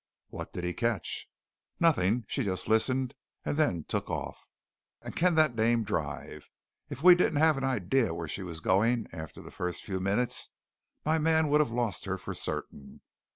"What did he catch?" "Nothing, she just listened, and then took off. And can that dame drive! If we didn't have an idea of where she was going after the first few minutes, my man would have lost her for certain.